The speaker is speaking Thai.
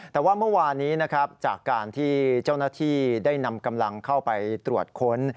แต่ว่าเมื่อวานนี้นะครับจากการที่เจ้าหน้าที่ได้นำกำลังเข้าไปตรวจค้น